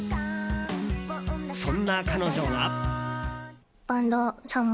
そんな彼女が。